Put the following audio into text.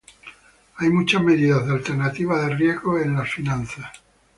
Hay muchas medidas de alternativa de riesgos en las finanzas.